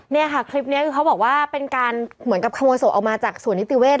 เนี่ยค่ะคลิปนี้คือเขาบอกว่าเป็นการเหมือนกับขโมยศพออกมาจากส่วนนิติเวศ